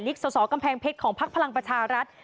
ทีนี้จากรายทื่อของคณะรัฐมนตรี